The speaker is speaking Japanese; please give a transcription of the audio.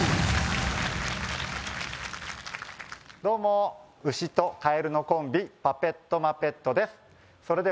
「どうもウシとカエルのコンビパペットマペットです」